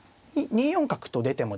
２四角と出てもですね